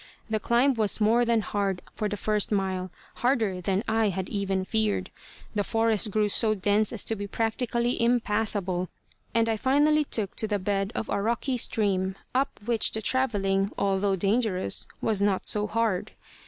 The climb was more than hard for the first mile harder than I had even feared. The forest grew so dense as to be practically impassable, and I finally took to the bed of a rocky stream, up which the travelling, although dangerous, was not so hard.